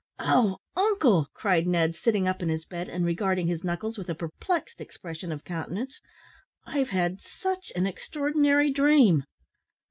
"O uncle," cried Ned, sitting up in his bed, and regarding his knuckles with a perplexed expression of countenance, "I've had such an extraordinary dream!"